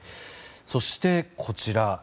そして、こちら。